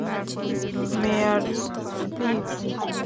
Mower, please!